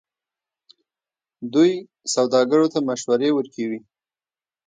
دوی سوداګرو ته مشورې ورکوي.